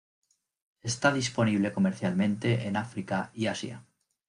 Está disponible comercialmente en África y Asia.